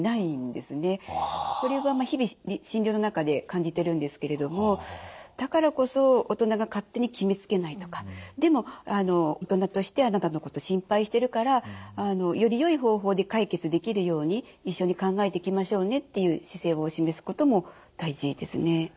これは日々診療の中で感じてるんですけれどもだからこそ大人が勝手に決めつけないとかでも大人としてあなたのこと心配してるからよりよい方法で解決できるように一緒に考えていきましょうねっていう姿勢を示すことも大事ですね。